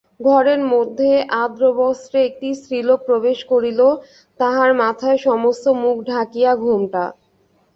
ঘরের মধ্যে আর্দ্রবস্ত্রে একটি স্ত্রীলোক প্রবেশ করিল, তাহার মাথায় সমস্ত মুখ ঢাকিয়া ঘোমটা।